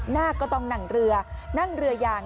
นาคก็ต้องนั่งเรือนั่งเรือยาง